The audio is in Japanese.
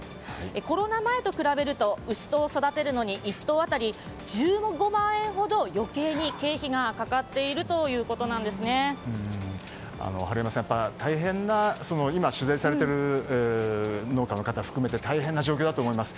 コロナ前と比べると牛を育てるのに１頭当たり１５万円ほど余計に経費が春山さん、やっぱり取材されている農家の方を含めて大変な状況だと思います。